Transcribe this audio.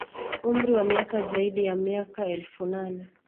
Umri wa miaka zaidi ya miaka elfu nane